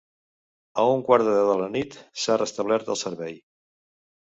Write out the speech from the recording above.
A un quart de deu de la nit s’ha restablert el servei.